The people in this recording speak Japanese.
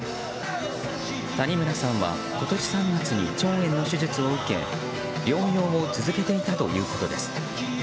谷村さんは今年３月に腸炎の手術を受け療養を続けていたということです。